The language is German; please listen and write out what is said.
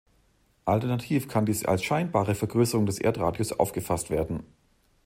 Alternativ kann dies als scheinbare Vergrößerung des Erdradius aufgefasst werden.